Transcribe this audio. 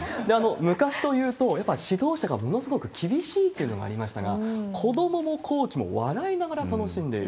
昔というと、やっぱり指導者がものすごく厳しいというのがありましたが、子どももコーチも笑いながら楽しんでいる。